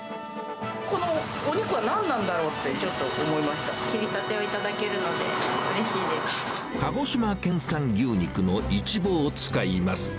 このお肉は何なんだろうって切りたてをいただけるので、鹿児島県産牛肉のイチボを使います。